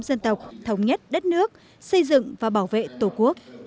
dân tộc thống nhất đất nước xây dựng và bảo vệ tổ quốc